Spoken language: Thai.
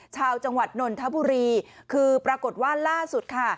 ชาวจังหวัดนนทบุรีคือปรากฏว่าล่าสุดค่ะ